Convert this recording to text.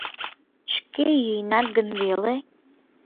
Шке йӱынат гын веле?